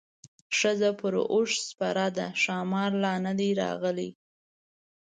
ښځه پر اوښ سپره ده ښامار لا نه دی راغلی.